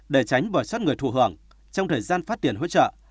để tránh bỏ sót người thụ hưởng trong thời gian phát tiền hỗ trợ